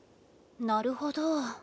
なるほど。